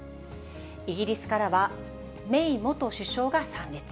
イギリスからはメイ元首相が参列。